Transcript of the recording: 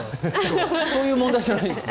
そういう問題じゃないですか？